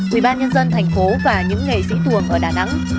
quỹ ban nhân dân thành phố và những nghệ sĩ tuồng ở đà nẵng